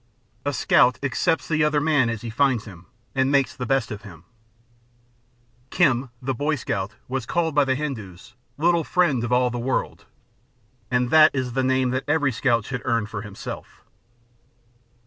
A scout accepts the other man as he finds him, and makes the best of him. BOY SCOUTS OF AMERICA 33 " Kim," the boy scout, was called by the Hindoos " Little friend of all the world," and that is the name that every scout should earn for himself.